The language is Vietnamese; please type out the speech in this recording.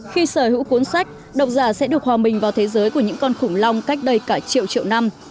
khi sở hữu cuốn sách độc giả sẽ được hòa mình vào thế giới của những con khủng long cách đây cả triệu triệu năm